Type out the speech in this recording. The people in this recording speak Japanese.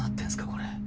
これ。